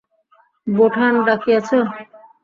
বোঠান, ডাকিয়াছ?